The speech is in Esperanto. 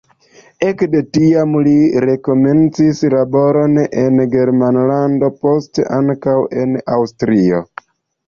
Ekde tiam li rekomencis laboron en Germanlando, poste ankaŭ en Aŭstrio.